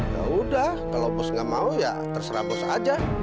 yaudah kalau bos gak mau ya terserah bos aja